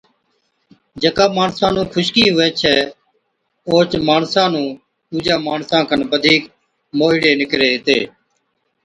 جڪا ماڻسا نُون خُشڪِي هُوَي ڇَي اوهچ ماڻسا نُون ڏُوجان ماڻسان کن بڌِيڪ موهِيڙي نِڪري هِتي۔